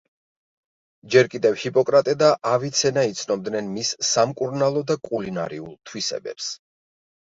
ჯერ კიდევ ჰიპოკრატე და ავიცენა იცნობდნენ მის სამკურნალო და კულინარიულ თვისებებს.